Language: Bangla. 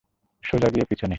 সোজা গিয়ে পিছনে।